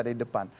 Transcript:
sudah ada di depan